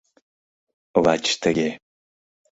— Лач тыге.